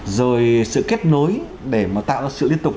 rồi sự kết nối để mà tạo ra sự liên tục